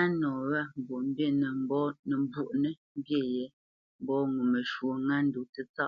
A nɔ wâ Mbwoʼmbî nə mbwoʼnə́ mbî yě mbɔ́ ŋo məshwɔ̌ ŋá ndó tsətsâ .